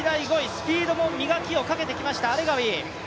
スピードも磨きをかけてきましたアレガウィ。